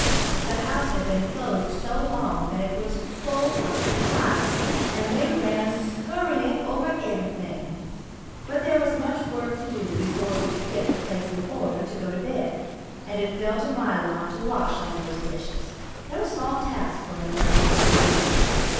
The house had been closed so long that it was full of mice, and they ran scurrying over everything. But there was much work to do before we could get the place in order to go to bed, and it fell to my lot to wash all those dishes, no small task for an eleven year old girl.